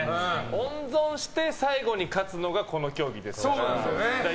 温存して、最後に勝つのがこの競技ですから。